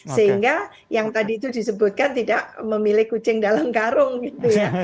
sehingga yang tadi itu disebutkan tidak memilih kucing dalam karung gitu ya